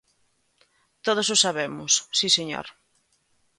Todos o sabemos, si señor.